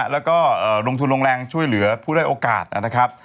แล้วก็ลงทุนลงแรงช่วยเหลือผู้ได้โอกาสนะครับ